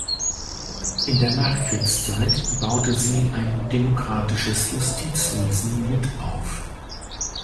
In der Nachkriegszeit baute sie ein demokratisches Justizwesen mit auf.